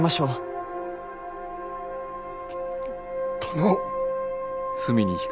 殿。